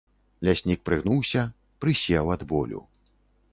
Ляснік прыгнуўся, прысеў ад болю.